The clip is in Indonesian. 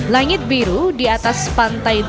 langit biru di atas pantai